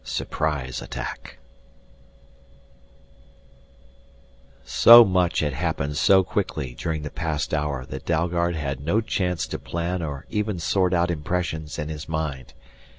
16 SURPRISE ATTACK So much had happened so quickly during the past hour that Dalgard had no chance to plan or even sort out impressions in his mind.